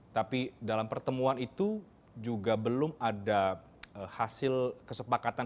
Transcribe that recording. tapi dalam pertemuan itu juga belum ada hasil kesepakatan